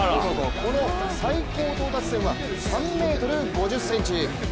この最高到達点は３ｍ５０ｃｍ。